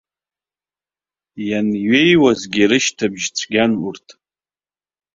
Ианҩеиуазгьы рышьҭыбжь цәгьан урҭ.